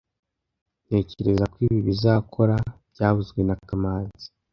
Ntekereza ko ibi bizakora byavuzwe na kamanzi